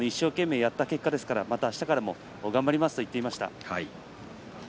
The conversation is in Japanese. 一生懸命やった結果ですからまたあしたから頑張りますと言っています。